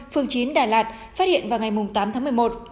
phường chín đà lạt phát hiện vào ngày tám tháng một mươi một